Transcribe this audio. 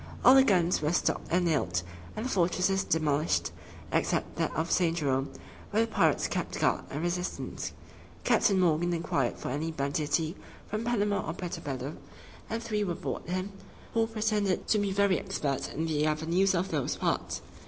All the guns were stopped and nailed, and the fortresses demolished, except that of St. Jerome, where the pirates kept guard and resistance. Captain Morgan inquired for any banditti from Panama or Puerto Bello, and three were brought him, who pretended to be very expert in the avenues of those parts.